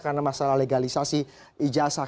karena masalah legalisasi ijazah